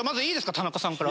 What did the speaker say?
田中さんから。